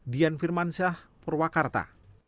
dian firmansyah purwakarta